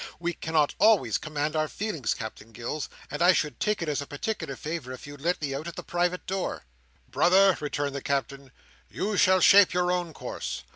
We cannot always command our feelings, Captain Gills, and I should take it as a particular favour if you'd let me out at the private door." "Brother," returned the Captain, "you shall shape your own course.